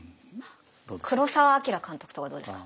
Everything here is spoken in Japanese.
黒澤明監督とかどうですか？